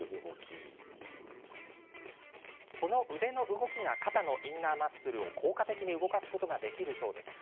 この腕の動きが肩のインナーマッスルを効果的に動かすことができるそうです。